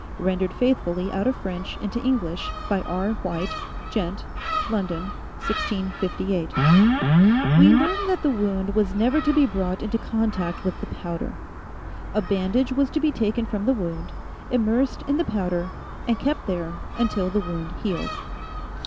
Rendered faithfully out of French into English by R. White, Gent. London, 1658. Ill 112 THE SEVEN FOLLIES OF SCIENCE was never to be brought into contact with the powder. A bandage was to be taken from the wound, immersed in the powder, and kept there until the wound healed.